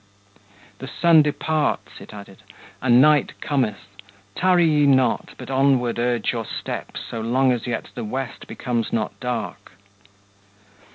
"The sun departs," it added, "and night cometh; Tarry ye not, but onward urge your steps, So long as yet the west becomes not dark."